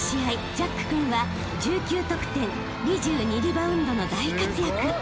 ジャック君は１９得点２２リバウンドの大活躍］